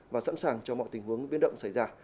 và sẵn sàng cho mọi tình huống biến động xảy ra